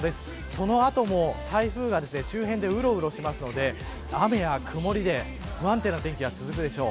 その後も台風が周辺でうろうろするので雨や曇りで不安定な天気が続くでしょう。